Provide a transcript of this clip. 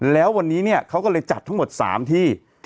แล้ววันนี้เนี่ยเขาก็เลยจัดทั้งหมด๓ที่